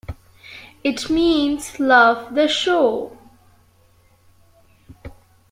It means "Love the show".